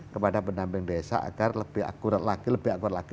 kepada pendamping desa agar lebih akurat lagi